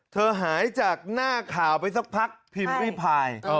หายจากหน้าข่าวไปสักพักพิมพ์ริพาย